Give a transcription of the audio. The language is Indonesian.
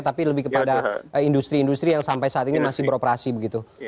tapi lebih kepada industri industri yang sampai saat ini masih beroperasi begitu